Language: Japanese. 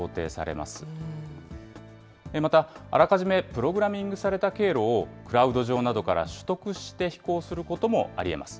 また、あらかじめプログラミングされた経路をクラウド上などから取得して飛行することもありえます。